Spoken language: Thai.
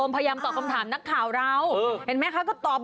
มันเหลือดเท้าให้กลับมานะครับ